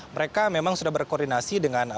mereka memang sudah berkoordinasi dengan